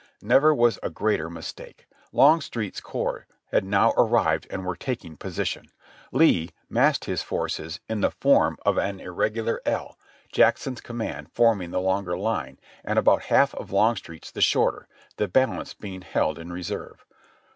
Never was a greater mistake. Longstreet's corps had now arrived and were taking position. Lee massed his forces in the form of an THE ADVANCE. 235 irregular L, Jackson's command forming the longer line and about half of Longstreet's the shorter; the balance being held in reserve.